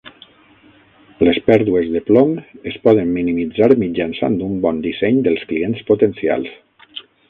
Les pèrdues de plom es poden minimitzar mitjançant un bon disseny dels clients potencials.